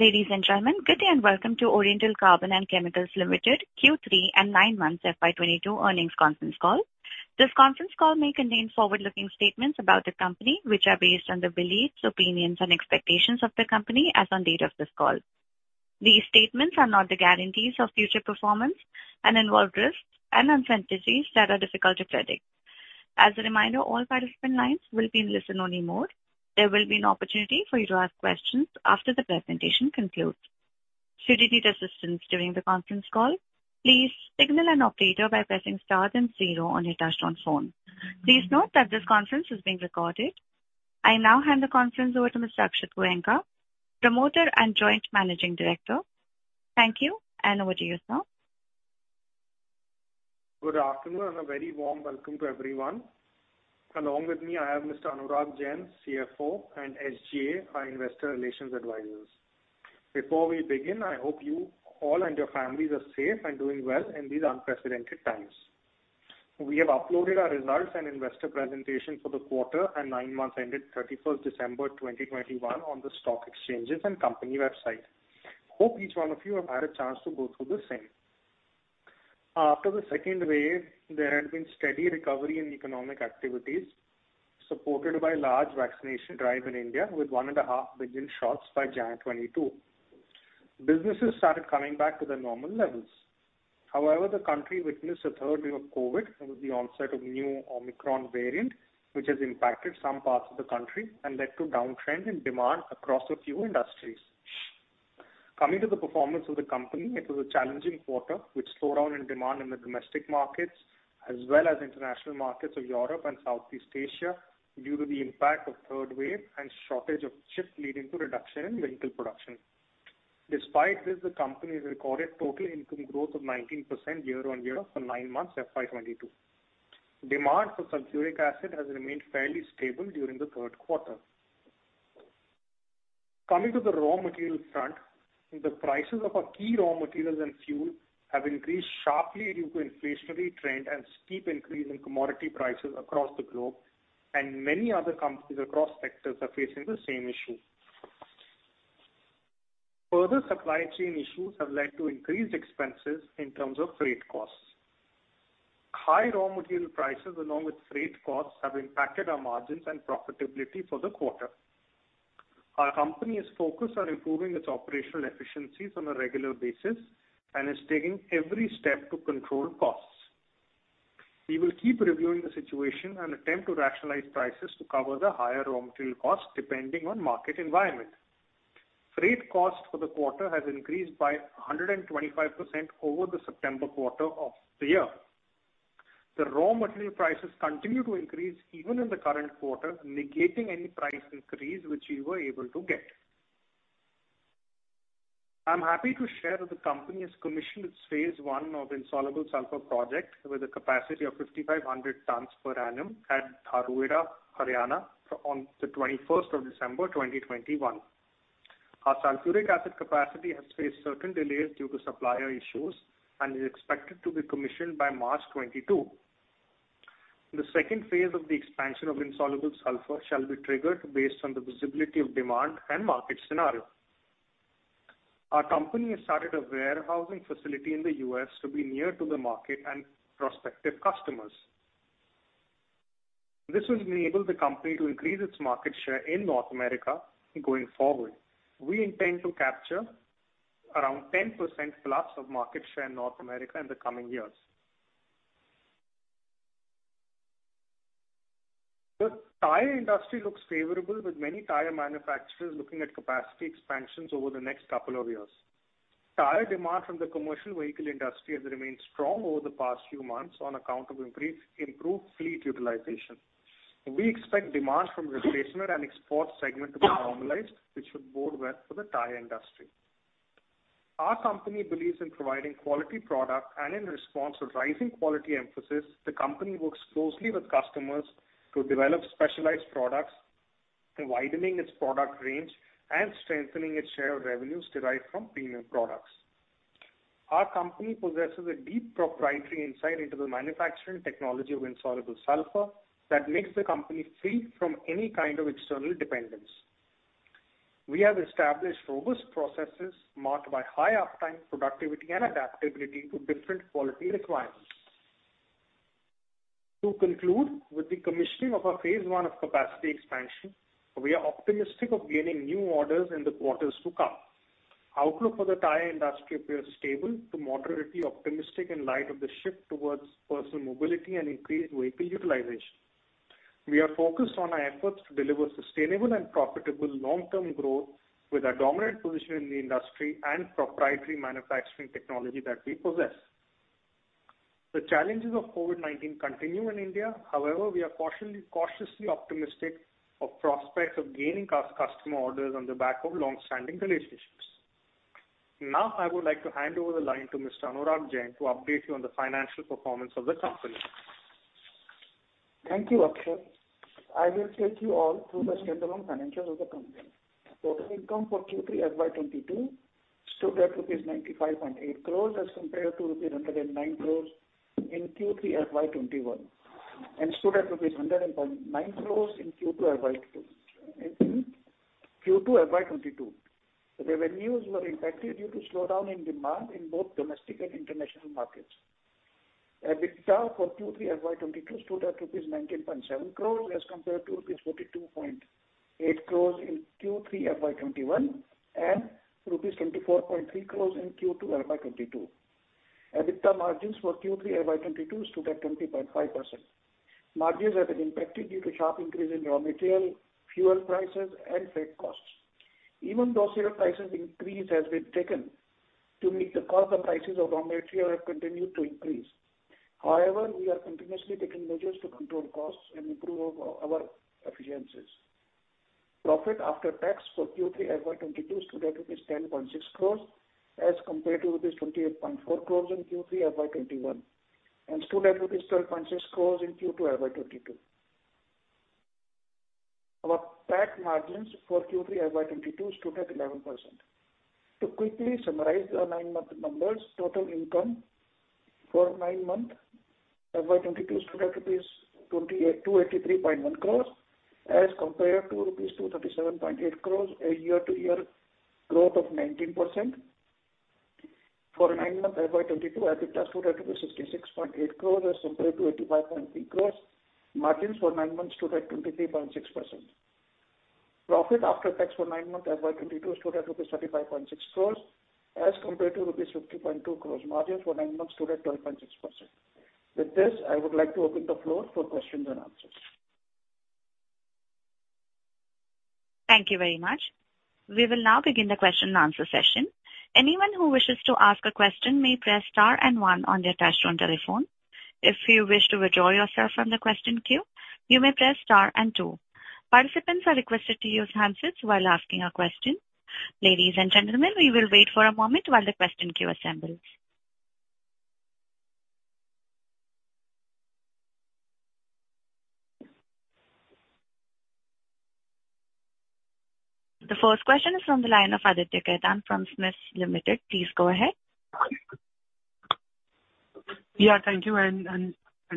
Ladies and gentlemen, good day and welcome to Oriental Carbon and Chemicals Limited Q3 and Nine months FY 2022 Earnings Conference Call. This conference call may contain forward-looking statements about the company, which are based on the beliefs, opinions and expectations of the company as on date of this call. These statements are not the guarantees of future performance and involve risks and uncertainties that are difficult to predict. As a reminder, all participant lines will be in listen-only mode. There will be an opportunity for you to ask questions after the presentation concludes. Should you need assistance during the conference call, please signal an operator by pressing star then zero on your touchtone phone. Please note that this conference is being recorded. I now hand the conference over to Mr. Akshat Goenka, Promoter and Joint Managing Director. Thank you, and over to you, sir. Good afternoon and a very warm welcome to everyone. Along with me, I have Mr. Anurag Jain, CFO, and SGA, our investor relations advisors. Before we begin, I hope you all and your families are safe and doing well in these unprecedented times. We have uploaded our results and investor presentation for the quarter and nine months ended 31st December 2021 on the stock exchanges and company website. Hope each one of you have had a chance to go through the same. After the second wave, there had been steady recovery in economic activities, supported by large vaccination drive in India with 1.5 billion shots by January 2022. Businesses started coming back to their normal levels. However, the country witnessed a third wave of COVID with the onset of new Omicron variant, which has impacted some parts of the country and led to downtrend in demand across a few industries. Coming to the performance of the company, it was a challenging quarter with slowdown in demand in the domestic markets as well as international markets of Europe and Southeast Asia due to the impact of third wave and shortage of chips leading to reduction in vehicle production. Despite this, the company has recorded total income growth of 19% year-over-year for nine months FY 2022. Demand for Sulphuric acid has remained fairly stable during the third quarter. Coming to the raw material front, the prices of our key raw materials and fuel have increased sharply due to inflationary trend and steep increase in commodity prices across the globe, and many other companies across sectors are facing the same issue. Further supply chain issues have led to increased expenses in terms of freight costs. High raw material prices along with freight costs have impacted our margins and profitability for the quarter. Our company is focused on improving its operational efficiencies on a regular basis and is taking every step to control costs. We will keep reviewing the situation and attempt to rationalize prices to cover the higher raw material costs depending on market environment. Freight cost for the quarter has increased by 125% over the September quarter of the year. The raw material prices continue to increase even in the current quarter, negating any price increase which we were able to get. I'm happy to share that the company has commissioned its phase I of Insoluble Sulphur project with a capacity of 5,500 tons per annum at Dharuhera, Haryana on the 21st of December 2021. Our Sulphuric acid capacity has faced certain delays due to supplier issues and is expected to be commissioned by March 2022. The second phase of the expansion of Insoluble Sulphur shall be triggered based on the visibility of demand and market scenario. Our company has started a warehousing facility in the U.S. to be near to the market and prospective customers. This will enable the company to increase its market share in North America going forward. We intend to capture around 10%+ of market share in North America in the coming years. The tire industry looks favorable with many tire manufacturers looking at capacity expansions over the next couple of years. Tire demand from the commercial vehicle industry has remained strong over the past few months on account of improved fleet utilization. We expect demand from replacement and export segment to be normalized, which should bode well for the tire industry. Our company believes in providing quality product, and in response to rising quality emphasis, the company works closely with customers to develop specialized products, widening its product range and strengthening its share of revenues derived from premium products. Our company possesses a deep proprietary insight into the manufacturing technology of Insoluble Sulphur that makes the company free from any kind of external dependence. We have established robust processes marked by high uptime, productivity and adaptability to different quality requirements. To conclude, with the commissioning of our phase I of capacity expansion, we are optimistic of gaining new orders in the quarters to come. Outlook for the tire industry appears stable to moderately optimistic in light of the shift towards personal mobility and increased vehicle utilization. We are focused on our efforts to deliver sustainable and profitable long-term growth with our dominant position in the industry and proprietary manufacturing technology that we possess. The challenges of COVID-19 continue in India. However, we are cautiously optimistic of prospects of gaining customer orders on the back of long-standing relationships. Now I would like to hand over the line to Mr. Anurag Jain to update you on the financial performance of the company. Thank you, Akshat. I will take you all through the standalone financials of the company. Total income for Q3 FY 2022 stood at rupees 95.8 crores as compared to rupees 109 crores in Q3 FY 2021. Stood at rupees 100.9 crores in Q2 FY 2022. The revenues were impacted due to slowdown in demand in both domestic and international markets. EBITDA for Q3 FY 2022 stood at rupees 19.7 crores as compared to rupees 42.8 crores in Q3 FY 2021 and rupees 24.3 crores in Q2 FY 2022. EBITDA margins for Q3 FY 2022 stood at 20.5%. Margins have been impacted due to sharp increase in raw material, fuel prices and freight costs. Even though sales prices increase has been taken to meet the cost, prices of raw material have continued to increase. However, we are continuously taking measures to control costs and improve our efficiencies. Profit after tax for Q3 FY 2022 stood at INR 10.6 crores as compared to INR 28.4 crores in Q3 FY 2021 and stood at INR 12.6 crores in Q2 FY 2022. Our tax margins for Q3 FY 2022 stood at 11%. To quickly summarize the nine month numbers, total income for nine month FY 2022 stood at rupees 283.1 crores as compared to rupees 237.8 crores, a year-to-year growth of 19%. For nine months FY 2022, EBITDA stood at 66.8 crores as compared to 85.3 crores. Margins for nine months stood at 23.6%. Profit after tax for nine months FY 2022 stood at rupees 35.6 crores as compared to rupees 50.2 crores. Margins for nine months stood at 12.6%. With this, I would like to open the floor for questions and answers. Thank you very much. We will now begin the question and answer session. Anyone who wishes to ask a question may press star and one on their touchtone telephone. If you wish to withdraw yourself from the question queue, you may press star and two. Participants are requested to use handsets while asking a question. Ladies and gentlemen, we will wait for a moment while the question queue assembles. The first question is from the line of Aditya Khetan from SMIFS Limited. Please go ahead. Yeah, thank you and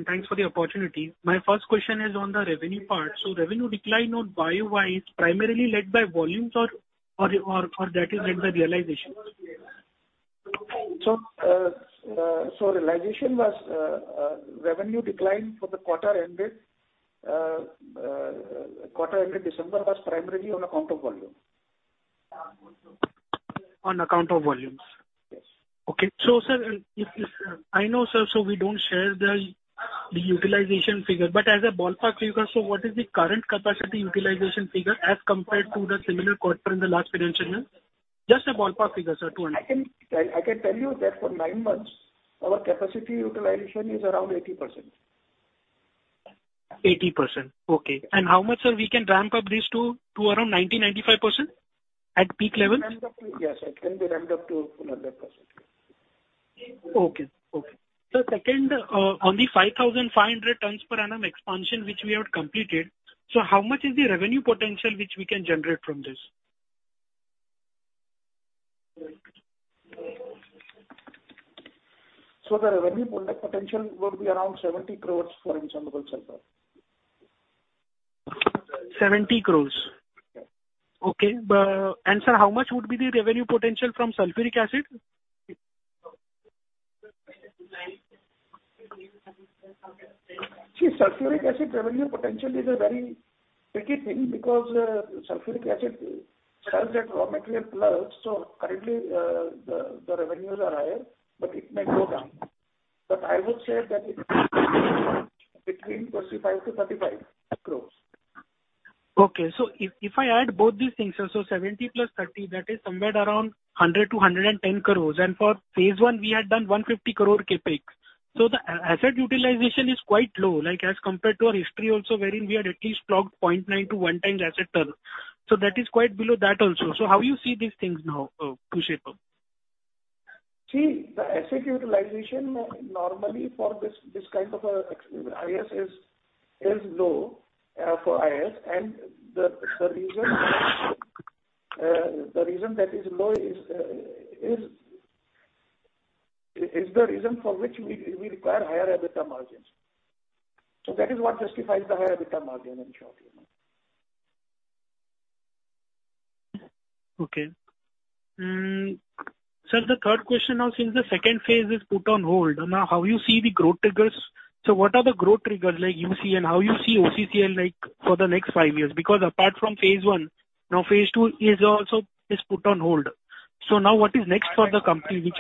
thanks for the opportunity. My first question is on the revenue part. Revenue decline on YoY is primarily led by volumes or that is led by realizations? Realization was revenue decline for the quarter ended December was primarily on account of volume. On account of volumes? Okay. Sir, I know, sir, we don't share the utilization figure, but as a ballpark figure, what is the current capacity utilization figure as compared to the similar quarter in the last financial year? Just a ballpark figure, sir, to understand. I can tell you that for nine months, our capacity utilization is around 80%. 80%. Okay. How much, sir, we can ramp-up this to around 90%-95% at peak levels? Yes, it can be ramped-up to 100%. Okay. Sir, second, on the 5,500 tons per annum expansion which we have completed, so how much is the revenue potential which we can generate from this? The revenue potential would be around 70 crore for Insoluble Sulphur. 70 crores. Sir, how much would be the revenue potential from Sulphuric acid? See, Sulphuric acid revenue potential is a very tricky thing because, Sulphuric acid sells at raw material plus. Currently, the revenues are higher, but it may go down. I would say that it's between 25 crore-35 crore. Okay. If I add both these things, 70 + 30, that is somewhere around 100 crore-110 crore. For phase one, we had done 150 crore CapEx. The asset utilization is quite low, like as compared to our history also wherein we had at least logged 0.9x-1x [asset turn]. That is quite below that also. How you see these things now shape-up? See, the asset utilization normally for this kind of IS is low for IS. The reason that is low is the reason for which we require higher EBITDA margins. That is what justifies the higher EBITDA margin in short. Okay. Sir, the third question now, since the second phase is put on hold, now how you see the growth triggers? What are the growth triggers like you see and how you see OCCL like for the next five years? Because apart from phase one, now phase II is also put on hold. Now what is next for the company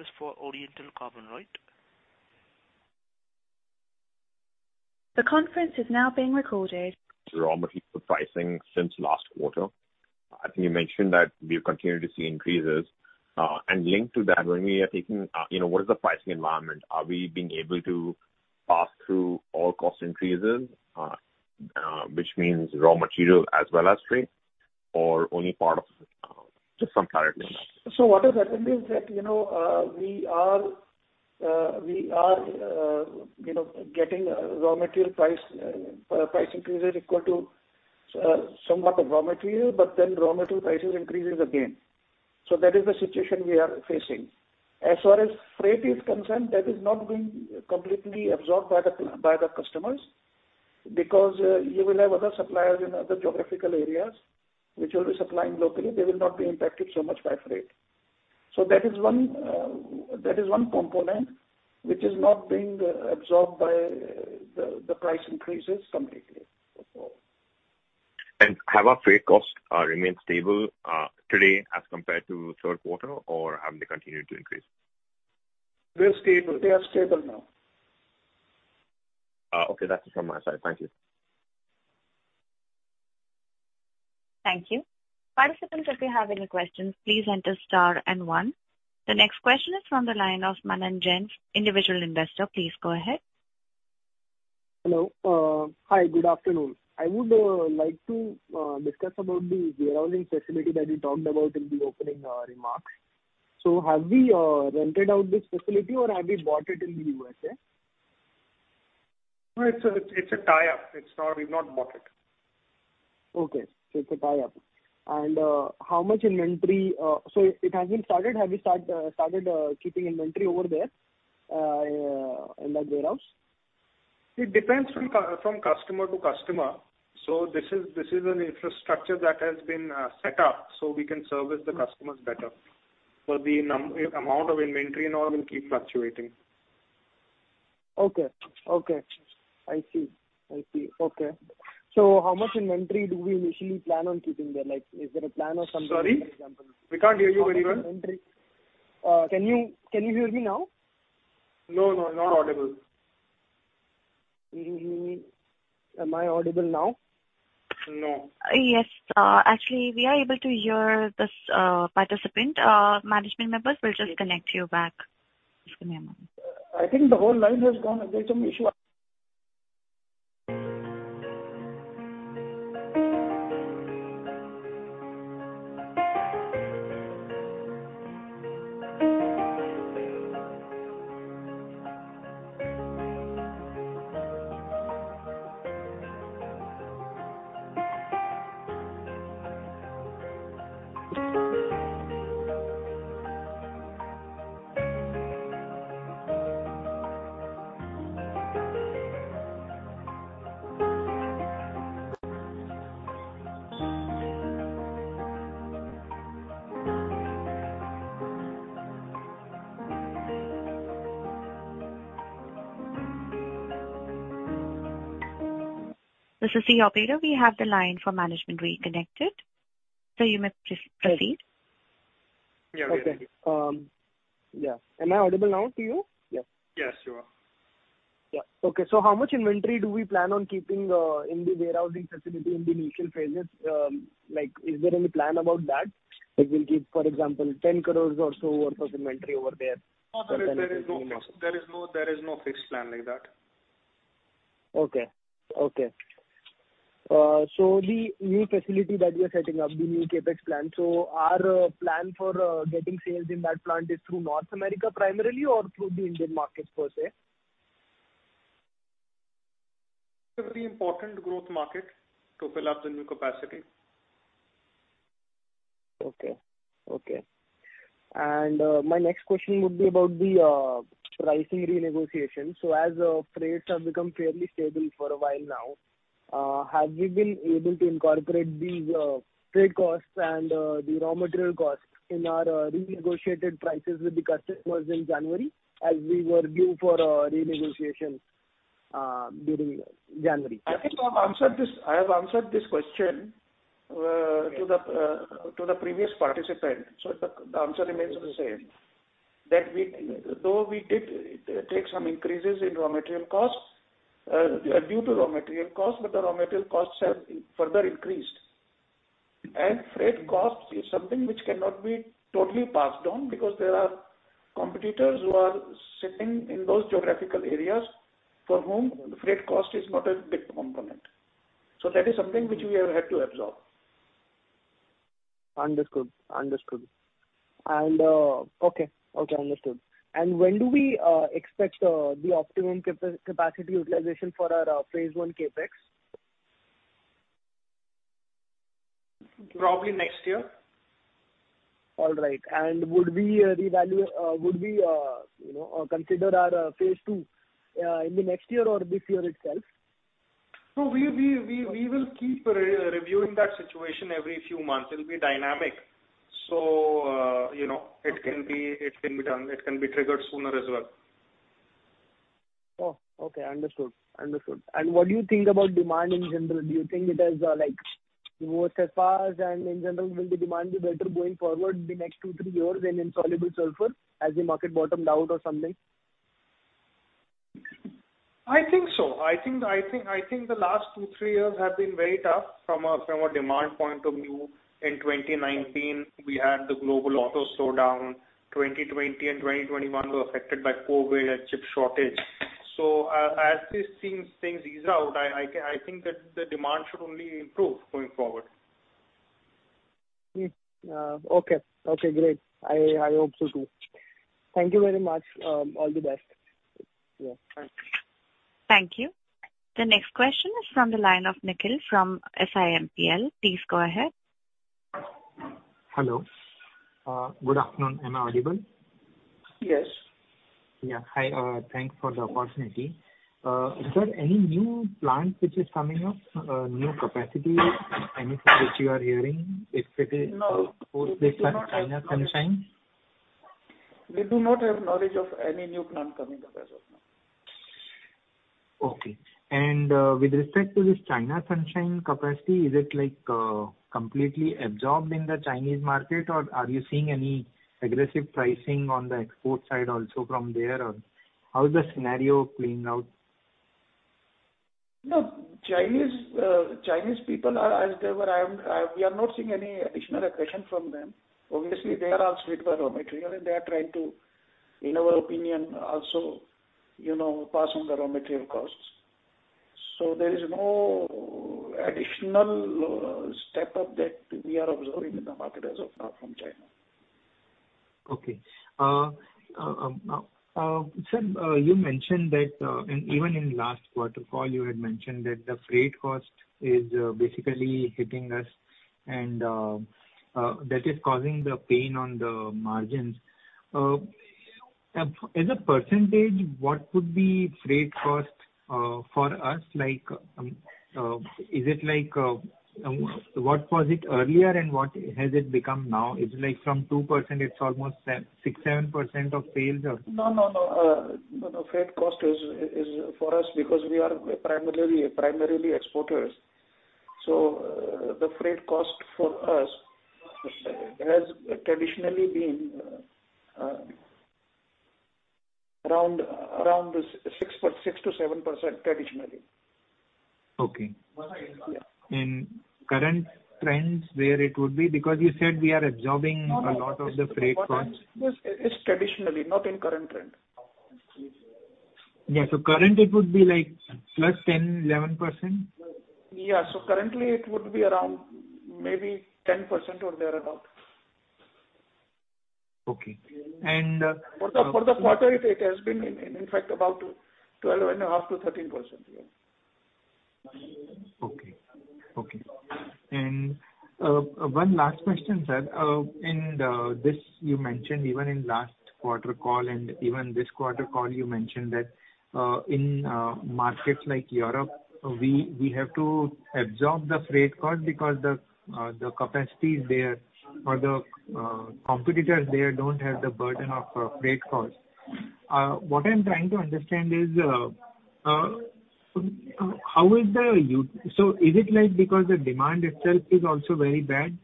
which we-? This is for Oriental Carbon, right? The conference is now being recorded. Raw material pricing since last quarter. I think you mentioned that we continue to see increases. Linked to that, when we are talking, what is the pricing environment, are we being able to pass through all cost increases? Which means raw material as well as freight or only part of it? Just some clarity on that. What is happening is that, you know, we are getting raw material price increases equal to somewhat of raw material, but then raw material prices increases again. That is the situation we are facing. As far as freight is concerned, that is not being completely absorbed by the customers because you will have other suppliers in other geographical areas which will be supplying locally. They will not be impacted so much by freight. That is one component which is not being absorbed by the price increases completely. Have our freight costs remained stable today as compared to third quarter? Or have they continued to increase? They're stable. They are stable now. Okay. That's it from my side. Thank you. Thank you. Participants, if you have any questions, please enter star and one. The next question is from the line of Manan Jain, Individual Investor. Please go ahead. Hello. Hi, good afternoon. I would like to discuss about the warehousing facility that you talked about in the opening remarks. Have we rented out this facility, or have we bought it in the U.S.? No, it's a tie-up. It's not. We've not bought it. Okay. It's a tie-up. How much inventory? It has been started. Have you started keeping inventory over there in the warehouse? It depends from customer to customer. This is an infrastructure that has been set up so we can service the customers better. The amount of inventory and all will keep fluctuating. Okay. I see. Okay. How much inventory do we initially plan on keeping there? Like, is there a plan or something? Sorry? We can't hear you very well. Can you hear me now? No, no, not audible. Am I audible now? No. Yes. Actually, we are able to hear this participant. Management members, we'll just connect you back. Just give me a moment. I think the whole line has gone. There's some issue. This is the operator. We have the line for management reconnected, so you may please proceed. Yeah. We hear you. Okay. Yeah. Am I audible now to you? Yeah. Yes, you are. Yeah. Okay. How much inventory do we plan on keeping in the warehousing facility in the initial phases? Like, is there any plan about that? Like we'll keep, for example, 10 crore or so worth of inventory over there. No, sir. There is no fixed plan like that. The new facility that you're setting up, the new CapEx plan. Our plan for getting sales in that plant is through North America primarily or through the Indian markets per se? The important growth markets to fill up the new capacity. Okay. My next question would be about the pricing renegotiation. Rates have become fairly stable for a while now. Have we been able to incorporate these trade costs and the raw material costs in our renegotiated prices with the customers in January as we were due for a renegotiation during January? I think I've answered this. I have answered this question. To the previous participant. The answer remains the same. That we, though we did take some increases in raw material costs, due to raw material costs, but the raw material costs have further increased. Freight costs is something which cannot be totally passed on because there are competitors who are sitting in those geographical areas for whom freight cost is not a big component. That is something which we have had to absorb. Understood. Okay. Understood. When do we expect the optimum capacity utilization for our phase I CapEx? Probably next year. All right. Would we reevaluate, you know, consider our phase two in the next year or this year itself? No, we will keep re-reviewing that situation every few months. It'll be dynamic. You know, it can be done. It can be triggered sooner as well. Oh, okay. Understood. What do you think about demand in general? Do you think it has, like, moved as far as. In general, will the demand be better going forward the next two-three years in Insoluble Sulphur as the market bottomed out or something? I think so. I think the last two-three years have been very tough from a demand point of view. In 2019, we had the global auto slowdown. 2020 and 2021 were affected by COVID and chip shortage. As these things ease out, I think that the demand should only improve going forward. Okay, great. I hope so too. Thank you very much. All the best. Yeah. Thanks. Thank you. The next question is from the line of Nikhil from SiMPL. Please go ahead. Hello. Good afternoon. Am I audible? Yes. Yeah. Hi, thanks for the opportunity. Is there any new plant which is coming up, new capacity, anything which you are hearing, if it is? No. We do not have knowledge of any new plant coming up as of now. Okay. With respect to this China Sunsine capacity, is it like completely absorbed in the Chinese market, or are you seeing any aggressive pricing on the export side also from there or how is the scenario playing out? No, Chinese people are as they were. We are not seeing any additional aggression from them. Obviously, they are also hit by raw material, and they are trying to, in our opinion also, you know, pass on the raw material costs. There is no additional step-up that we are observing in the market as of now from China. Okay. Sir, you mentioned that even in last quarter call, you had mentioned that the freight cost is basically hitting us and that is causing the pain on the margins. As a percentage, what would be freight cost for us? Like, is it like what was it earlier and what has it become now? Is it like from 2% it's almost 6%-7% of sales or? No. Freight cost is for us because we are primarily exporters. The freight cost for us has traditionally been around 6.6%-7% traditionally. Okay. In current trends, where it would be? Because you said we are absorbing a lot of the freight costs. No. It's traditionally not in current trend. Yeah. Currently it would be like +10%-+11%? Yeah. Currently it would be around maybe 10% or thereabouts. Okay. For the quarter it has been in fact about 12.5%-13%. Yeah. Okay. One last question, sir. This, you mentioned even in last quarter call and even this quarter call you mentioned that in markets like Europe, we have to absorb the freight cost because the capacities there or the competitors there don't have the burden of freight costs. What I'm trying to understand is, so is it like because the demand itself is also very bad,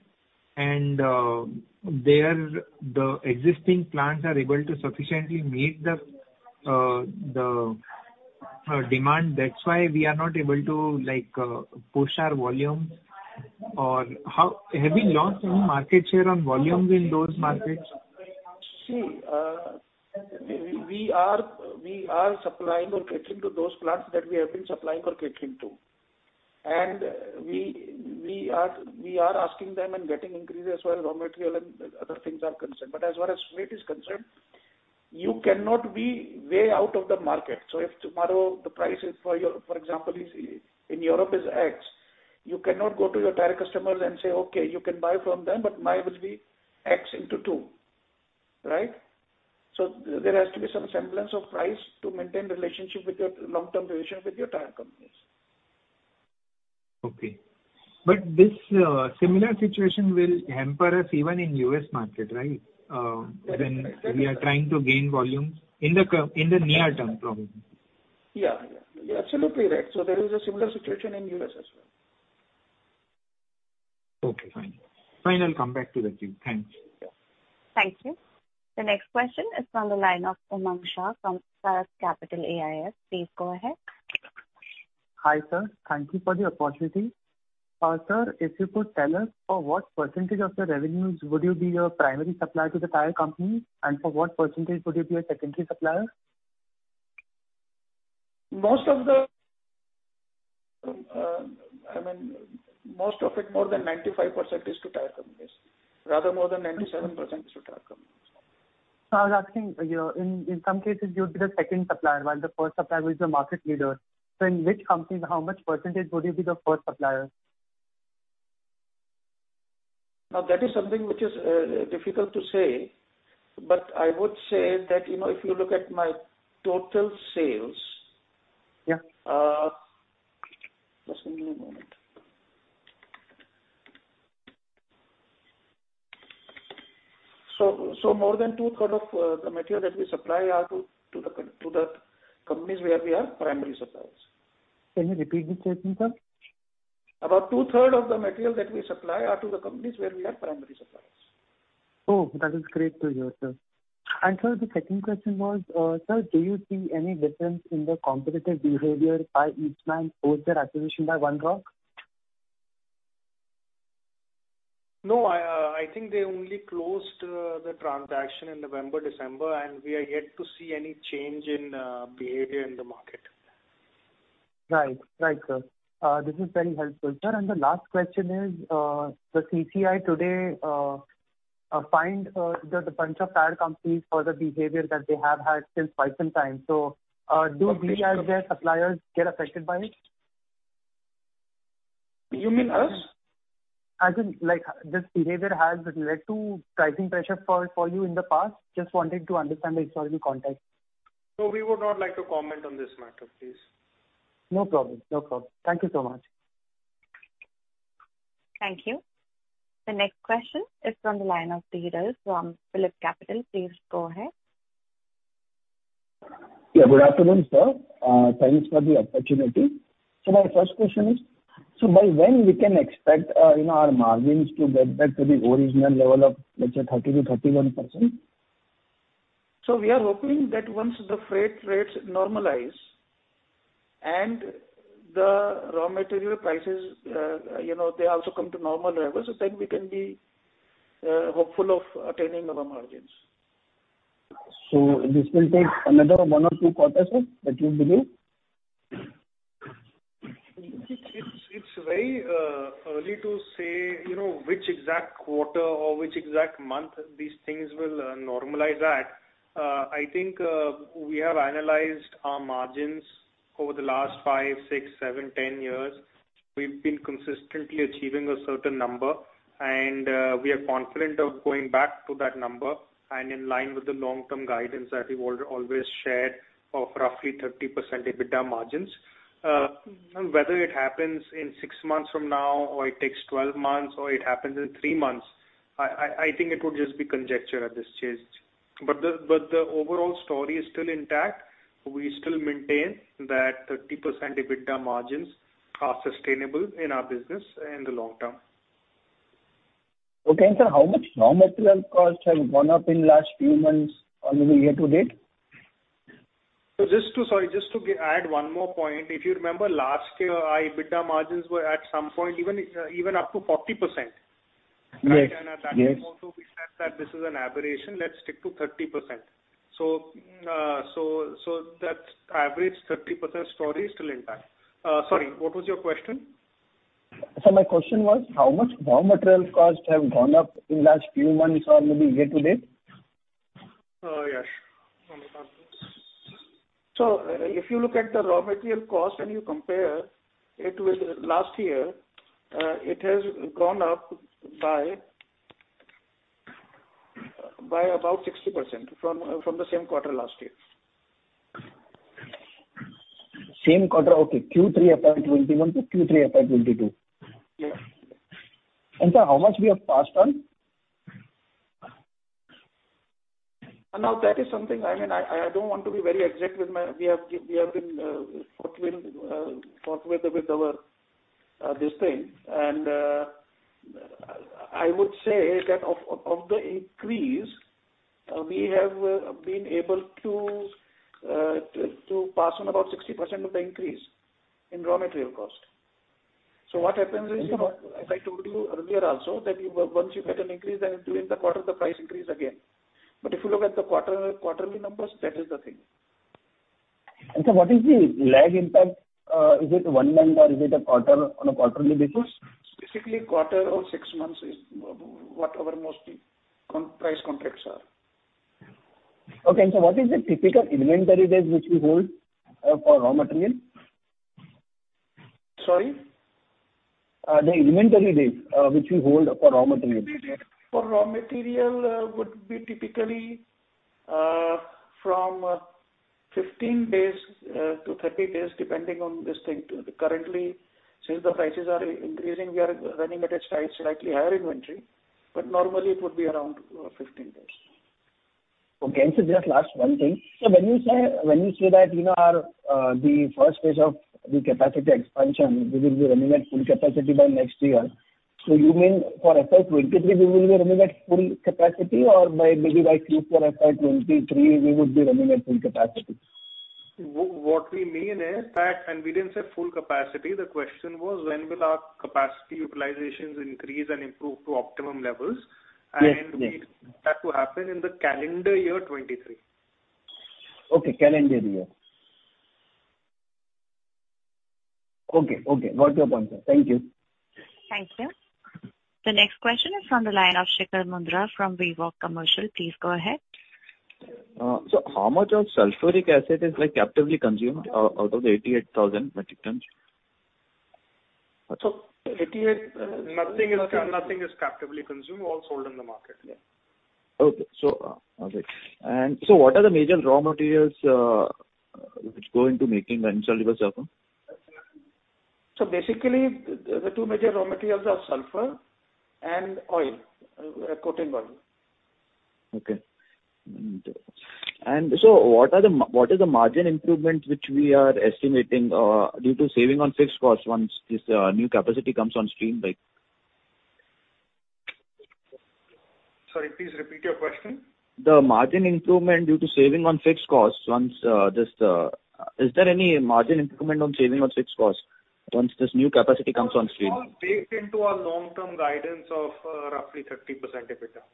and the existing plants are able to sufficiently meet the demand, that's why we are not able to like push our volumes? Or how have you lost any market share on volumes in those markets? See, we are supplying or catering to those plants that we have been supplying or catering to. We are asking them and getting increases for raw material and other things are concerned. As far as rate is concerned, you cannot be way out of the market. If tomorrow the price is, for example, in Europe is X, you cannot go to your tire customers and say, "Okay, you can buy from them, but mine will be X into two." Right? There has to be some semblance of price to maintain relationship with your long-term relationship with your tire companies. Okay. This similar situation will hamper us even in U.S. market, right? When we are trying to gain volumes in the near term, probably. Yeah, yeah. You're absolutely right. There is a similar situation in U.S. as well. Okay, fine. Fine, I'll come back to that to you. Thanks. Thank you. The next question is from the line of Umang Shah from Saras Capital AIS. Please go ahead. Hi, sir. Thank you for the opportunity. Sir, if you could tell us, for what percentage of the revenues would you be a primary supplier to the tire company, and for what percentage would you be a secondary supplier? I mean, most of it, more than 95% is to tire companies. Rather more than 97% is to tire companies. I was asking, you know, in some cases, you would be the second supplier while the first supplier is the market leader. In which company and how much percentage would you be the first supplier? Now, that is something which is difficult to say. I would say that, you know, if you look at my total sales. Yeah. Just give me a moment. More than two-third of the material that we supply are to the companies where we are primary suppliers. Can you repeat the statement, sir? About two-thirds of the material that we supply are to the companies where we are primary suppliers. Oh, that is great to hear, sir. Sir, the second question was, sir, do you see any difference in the competitive behavior by each plant post their acquisition by One Rock? No, I think they only closed the transaction in November, December, and we are yet to see any change in behavior in the market. Right. Right, sir. This is very helpful. Sir, the last question is, the CCI today fined the bunch of tire companies for the behavior that they have had since quite some time. Do we as their suppliers get affected by it? You mean us? As in, like, this behavior has led to pricing pressure for you in the past. Just wanted to understand the historical context. No, we would not like to comment on this matter, please. No problem. Thank you so much. Thank you. The next question is from the line of [Sridhar] from PhillipCapital. Please go ahead. Yeah, good afternoon, sir. Thanks for the opportunity. My first question is, so by when we can expect, you know, our margins to get back to the original level of let's say 30%-31%? We are hoping that once the freight rates normalize and the raw material prices, you know, they also come to normal levels, so then we can be hopeful of attaining our margins. This will take another one or two quarters, sir, would you believe? It's very early to say, you know, which exact quarter or which exact month these things will normalize at. I think we have analyzed our margins over the last five, six, seven, 10 years. We've been consistently achieving a certain number, and we are confident of going back to that number and in line with the long-term guidance that we've always shared of roughly 30% EBITDA margins. Whether it happens in six months from now, or it takes 12 months, or it happens in three months, I think it would just be conjecture at this stage. The overall story is still intact. We still maintain that 30% EBITDA margins are sustainable in our business in the long-term. Okay. Sir, how much raw material costs have gone up in last few months or maybe year-to-date? Just to add one more point, if you remember last year, our EBITDA margins were at some point even up to 40%. Yes. Yes. Right. At that point also we said that this is an aberration, let's stick to 30%. That average 30% story is still intact. Sorry, what was your question? Sir, my question was, how much raw material costs have gone up in last few months or maybe year-to-date? Anurag, want to come to this? If you look at the raw material cost and you compare it with last year, it has gone up by about 60% from the same quarter last year. Same quarter, okay. Q3 FY 2021 to Q3 FY 2022. Yes. Sir, how much we have passed on? Now that is something. I mean, we have been talking with our customers. I would say that of the increase, we have been able to pass on about 60% of the increase in raw material cost. What happens is, you know, as I told you earlier also, that once you get an increase, then during the quarter the prices increase again. If you look at the quarterly numbers, that is the thing. What is the lag impact? Is it one month or is it a quarter, on a quarterly basis? Basically, quarter or six months is what our mostly cost-price contracts are. Okay. What is the typical inventory days which you hold for raw material? Sorry? The inventory days, which you hold for raw materials. Inventory days for raw material would be typically from 15 days to 30 days, depending on this thing. Currently, since the prices are increasing, we are running at a slightly higher inventory, but normally it would be around 15 days. Okay. Sir, just last one thing. When you say that, you know, our, the first phase of the capacity expansion, we will be running at full capacity by next year. You mean for FY 2023 we will be running at full capacity or by, maybe by Q4 FY 2023 we would be running at full capacity? What we mean is that, and we didn't say full capacity. The question was when will our capacity utilizations increase and improve to optimum levels? Yes, yes. That will happen in the calendar year 2023. Okay, calendar year. Okay, okay. Got your point, sir. Thank you. Thank you. The next question is from the line of Shikhar Mundra from Vivog Commercial. Please go ahead. How much of Sulphuric Acid is like captively consumed out of the 88,000 metric tons? 88. Nothing is captively consumed, all sold in the market. What are the major raw materials which go into making the Insoluble Sulphur? Basically the two major raw materials are sulphur and oil, coating oil. What is the margin improvements which we are estimating due to saving on fixed costs once this new capacity comes on stream, like? Sorry, please repeat your question. Is there any margin improvement on saving on fixed costs once this new capacity comes on stream? It's all baked into our long-term guidance of roughly 30% EBITDA.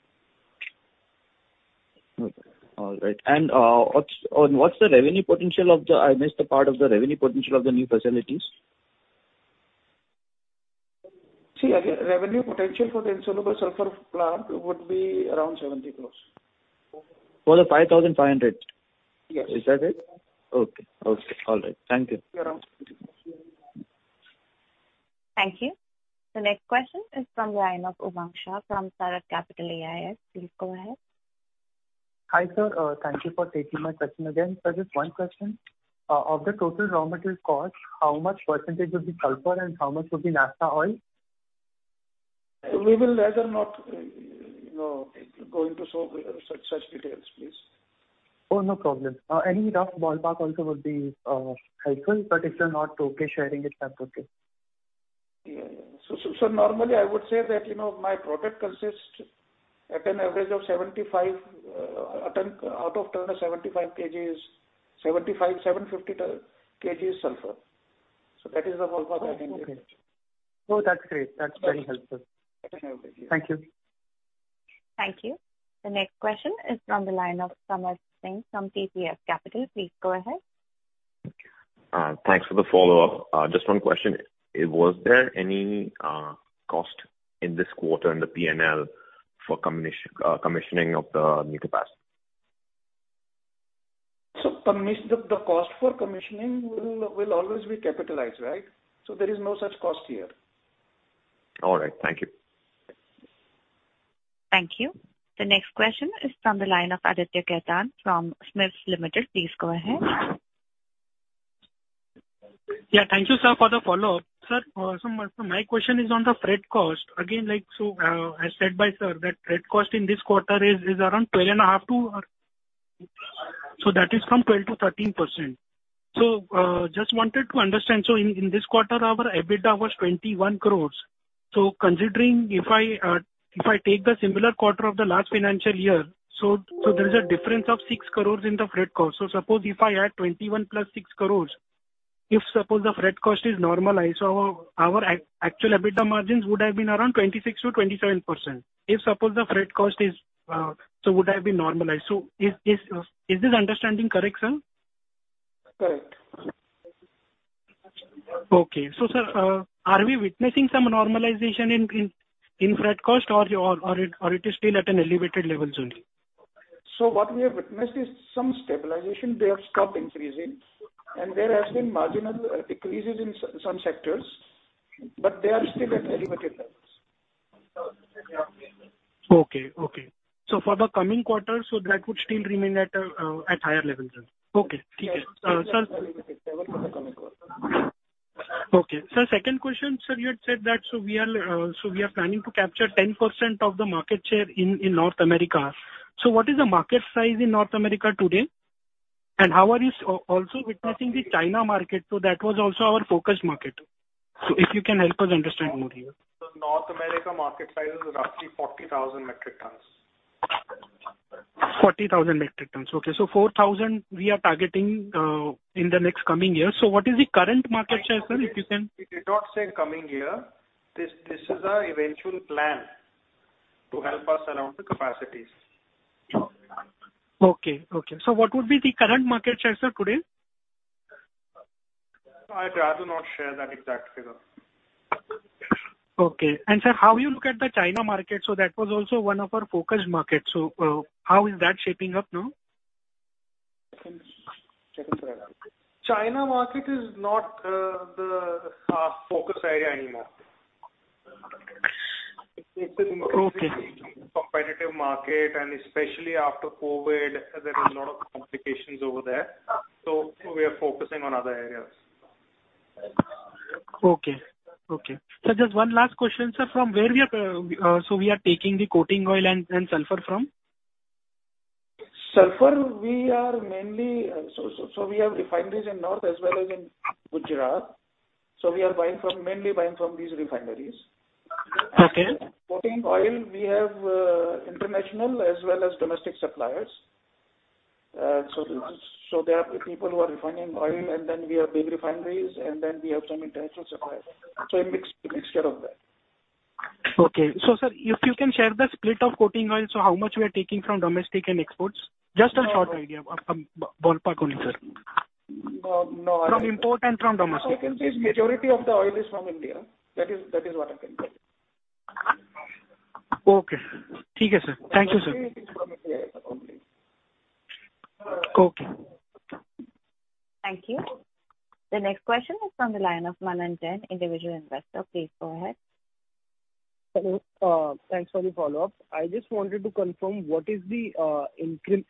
Okay. All right. What's the revenue potential? I missed the part of the revenue potential of the new facilities. See, revenue potential for the Insoluble Sulphur plant would be around 70 crore. For the 5500? Yes. Is that it? Okay. Okay. All right. Thank you. You're welcome. Thank you. The next question is from the line of Umang Shah from Saras Capital AIS. Please go ahead. Hi, sir. Thank you for taking my question. Again, sir, just one question. Of the total raw material cost, how much percentage would be sulphur and how much would be naphthenic oil? We will rather not, you know, go into such details, please. Oh, no problem. Any rough ballpark also would be helpful, but if you're not okay sharing it, that's okay. Yeah. Normally I would say that, you know, my product consists of an average of 75% of a ton, out of a ton of 750 kg sulphur. That is the ballpark I think. Oh, okay. No, that's great. That's very helpful. That's no biggie. Thank you. Thank you. The next question is from the line of Samarth Singh from TPF Capital. Please go ahead. Thanks for the follow-up. Just one question. Was there any cost in this quarter in the P&L for commissioning of the new capacity? Commission, the cost for commissioning will always be capitalized, right? There is no such cost here. All right. Thank you. Thank you. The next question is from the line of Aditya Khetan from SMIFS Limited. Please go ahead. Yeah. Thank you, sir, for the follow-up. Sir, my question is on the freight cost. Again, like, as said by sir, that freight cost in this quarter is around 12%-13%. Just wanted to understand. In this quarter, our EBITDA was 21 crores. Considering if I take the similar quarter of the last financial year, there is a difference of 6 crores in the freight cost. Suppose if I add 21 + 6 crores, if the freight cost is normalized, our actual EBITDA margins would have been around 26%-27%. Is this understanding correct, sir? Correct. Okay, sir, are we witnessing some normalization in freight cost or it is still at an elevated levels only? What we have witnessed is some stabilization. They have stopped increasing and there has been marginal decreases in some sectors, but they are still at elevated levels. Okay. For the coming quarter, so that would still remain at higher levels then. Okay. Sir. For the coming quarter. Okay. Sir, second question. Sir, you had said that so we are planning to capture 10% of the market share in North America. What is the market size in North America today? How are you also witnessing the China market also? That was also our focused market. If you can help us understand more here. The North America market size is roughly 40,000 metric tons. 40,000 metric tons. Okay. 4,000 we are targeting in the next coming year. What is the current market share, sir, if you can? We did not say coming year. This is our eventual plan to help us around the capacities. Okay. What would be the current market share, sir, today? I'd rather not share that exact figure. Okay. Sir, how you look at the China market? That was also one of our focused markets. How is that shaping up now? China market is not our focus area anymore. Okay. It's a competitive market, and especially after COVID, there is a lot of complications over there. We are focusing on other areas. Okay. Sir, just one last question, sir. From where we are taking the coating oil and sulphur from? We have refineries in North as well as in Gujarat. We are buying from, mainly buying from these refineries. Okay. Coating oil we have, international as well as domestic suppliers. There are people who are refining oil and then we have big refineries and then we have some international suppliers. A mix, mixture of that. Okay. Sir, if you can share the split of coating oil, so how much we are taking from domestic and imports? Just a short idea of ballpark only, sir. No, no idea. From imports and from domestic. All I can say is majority of the oil is from India. That is what I can tell you. Okay. Thank you, sir. Okay. Thank you. The next question is from the line of Manan Jain, Individual Investor. Please go ahead. Hello. Thanks for the follow-up. I just wanted to confirm what is the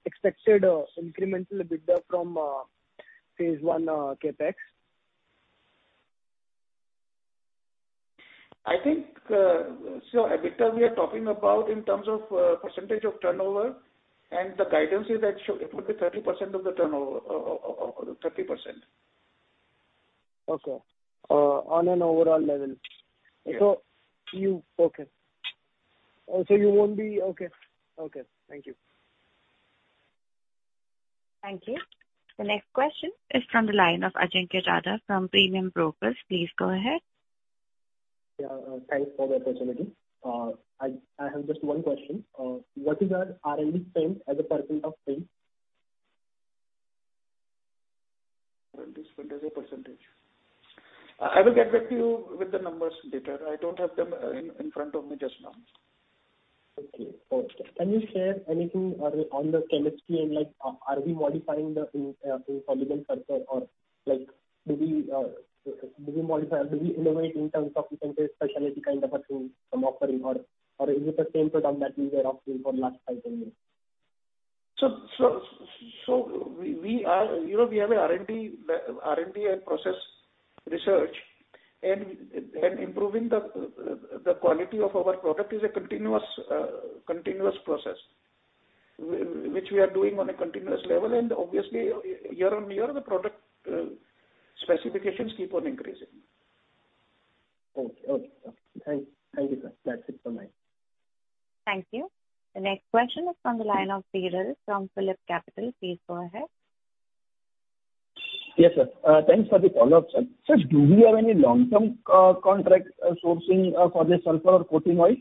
expected incremental EBITDA from phase I CapEx? I think, so EBITDA we are talking about in terms of percentage of turnover, and the guidance is that should, it would be 30% of the turnover. 30%. Okay. On an overall level. Yeah. Okay. Okay. Thank you. Thank you. The next question is from the line of Ajinkya Jadhav from Premium Brokers. Please go ahead. Yeah, thanks for the opportunity. I have just one question. What is our R&D spend as a percentage of sales? R&D spend as a percentage. I will get back to you with the numbers later. I don't have them in front of me just now. Okay. Can you share anything on the chemistry and like, are we modifying the Insoluble Sulphur or like do we modify, do we innovate in terms of, you can say, specialty kind of a type of offering or is it the same product that we were offering for the last five, 10 years? you know, we have R&D and process research, and improving the quality of our product is a continuous process which we are doing on a continuous level, and obviously year on year the product specifications keep on increasing. Okay. Thank you, sir. That's it from my end. Thank you. The next question is from the line of [Sridhar] from PhillipCapital. Please go ahead. Yes, sir. Thanks for the follow-up, sir. Sir, do we have any long-term contract sourcing for the sulphur or coating oil?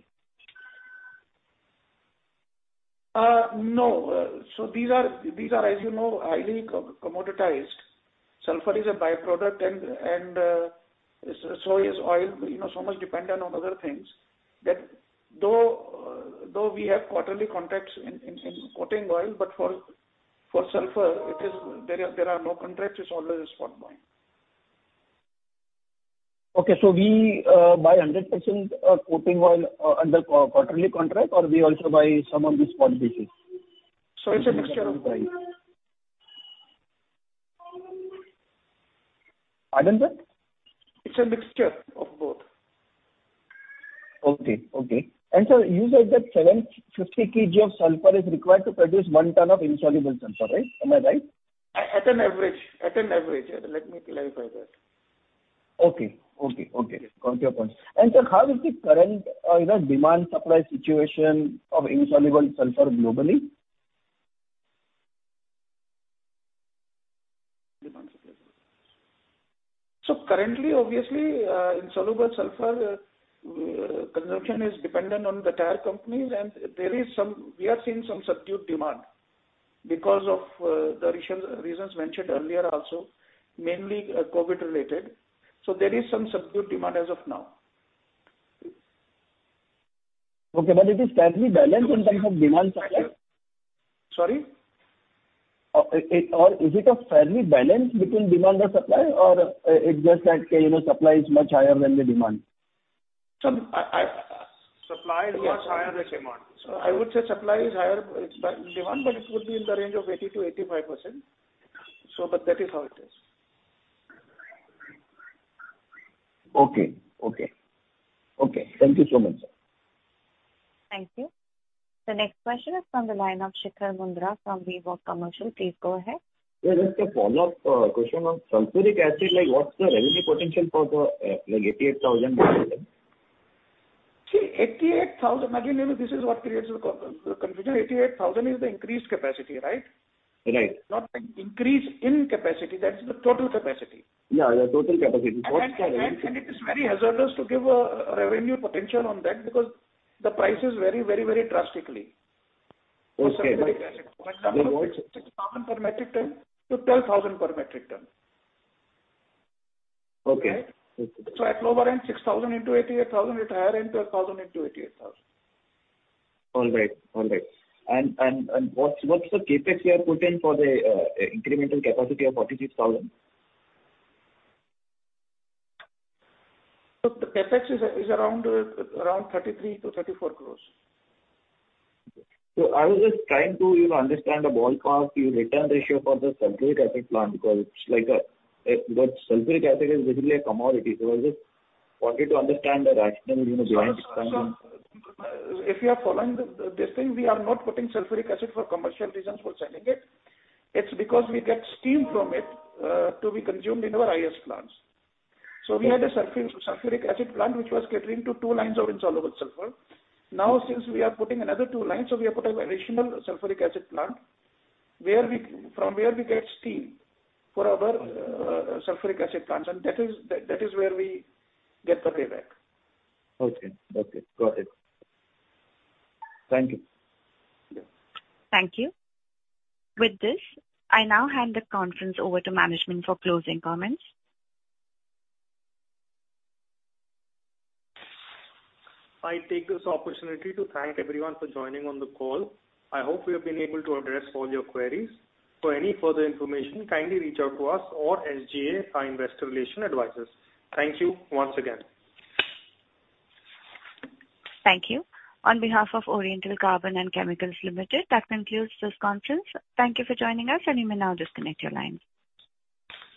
No. These are, as you know, highly commoditized. Sulphur is a byproduct and so is oil, you know, so much dependent on other things that though we have quarterly contracts in coating oil, but for sulphur there are no contracts. It's always a spot buy. We buy 100% coating oil under quarterly contract or we also buy some on the spot basis? It's a mixture of both. Pardon, sir? It's a mixture of both. Okay. Okay. Sir, you said that 75 kg of sulphur is required to produce 1 ton of Insoluble Sulphur, right? Am I right? At an average. Let me clarify that. Okay. Got your point. Sir, how is the current, you know, demand supply situation of Insoluble Sulphur globally? Currently obviously, Insoluble Sulphur consumption is dependent on the tire companies and we are seeing some subdued demand because of the reasons mentioned earlier also, mainly COVID-related. There is some subdued demand as of now. Okay. It is fairly balanced in terms of demand supply? Sorry? Is it a fairly balance between demand and supply or it's just that, you know, supply is much higher than the demand? Supply is much higher than demand. I would say supply is higher than demand, but it would be in the range of 80%-85%. That is how it is. Okay. Thank you so much, sir. Thank you. The next question is from the line of Shikhar Mundra from Vivog Commercial. Please go ahead. Yeah, just a follow-up question on Sulphuric Acid, like, what's the revenue potential for the 88,000? See 88,000, again, you know, this is what creates the confusion. 88,000 is the increased capacity, right? Right. Not the increase in capacity. That is the total capacity. Yeah, total capacity. What's the revenue? It is very hazardous to give a revenue potential on that because the prices vary very, very drastically. Okay. For Sulphuric acid. For example, INR 6,000 per metric ton to INR 10,000 per metric ton. Okay. Right? At lower end, 6,000 into 88,000, at higher end, 10,000 into 88,000. All right. What's the CapEx you have put in for the incremental capacity of 46,000? The CapEx is around 33 crores-34 crores. I was just trying to, you know, understand the ballpark return ratio for the Sulphuric acid plant because it's like a, but Sulphuric acid is basically a commodity. I was just wanting to understand the rationale, you know, behind expanding. If you have followed the this thing, we are not putting Sulphuric acid for commercial reasons for selling it. It's because we get steam from it to be consumed in our IS plants. We had a Sulphur-Sulphuric acid plant which was catering to two lines of insoluble Sulphur. Now, since we are putting another two lines, we have put an additional Sulphuric acid plant from where we get steam for our Sulphuric acid plants, and that is where we get the payback. Okay. Got it. Thank you. Thank you. With this, I now hand the conference over to management for closing comments. I take this opportunity to thank everyone for joining on the call. I hope we have been able to address all your queries. For any further information, kindly reach out to us or SGA, our investor relations advisors. Thank you once again. Thank you. On behalf of Oriental Carbon & Chemicals Limited, that concludes this conference. Thank you for joining us, and you may now disconnect your lines.